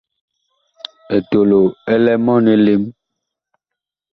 Etolo ɛ lɛ mɔɔn elem.